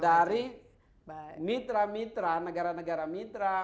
dari mitra mitra negara negara mitra